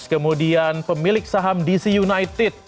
kemudian pemilik saham dc united